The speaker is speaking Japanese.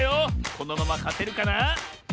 このままかてるかな？